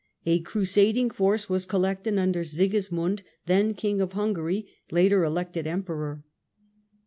A crusading force was collected under Sigismund, then King of Hungary, later elected Emperor.